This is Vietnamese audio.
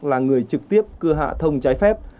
là người trực tiếp cưa hạ thông trái phép